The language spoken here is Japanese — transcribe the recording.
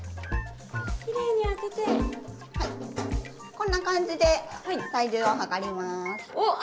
こんな感じで体重を量ります。